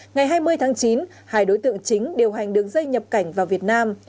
ngày hai mươi tháng chín hai đối tượng chính điều hành đường dây nhập cảnh vào việt nam